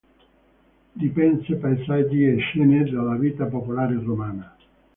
Dipinse paesaggi e scene della vita popolare romana.